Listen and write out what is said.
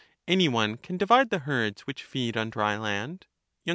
Any one can divide the herds which feed on dry Land herds land?